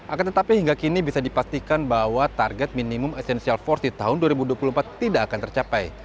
akan tetapi hingga kini bisa dipastikan bahwa target minimum essential force di tahun dua ribu dua puluh empat tidak akan tercapai